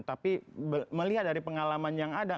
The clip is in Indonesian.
tapi melihat dari pengalaman yang ada